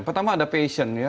pertama ada passion ya